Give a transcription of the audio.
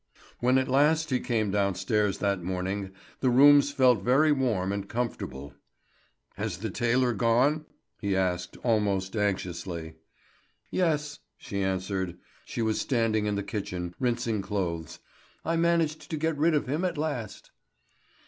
When at last he came downstairs that morning the rooms felt very warm and comfortable. "Has the tailor gone?" he asked almost anxiously. "Yes," she answered she was standing in the kitchen, rinsing clothes "I managed to get rid of him at last."